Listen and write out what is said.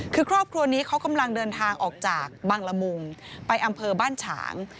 คือครอบครัวนี้เขากำลังเดินทางออกจากบังละมุงไปอำเภอบ้านฉาง